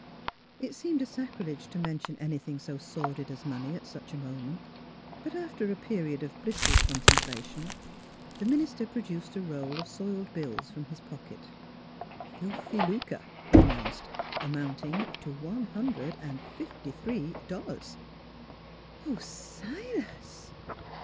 It seemed a sacrilege to mention anything so sordid as money at such a moment, but after a period of blissful contemplation the minister pro duced a roll of soiled bills from his pocket. " Filthy lucre," he announced, " amounting to one hundred and fifty three dollars." "Why, Silas!"